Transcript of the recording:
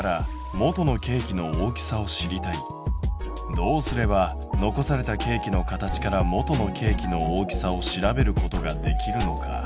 どうすれば残されたケーキの形から元のケーキの大きさを調べることができるのか？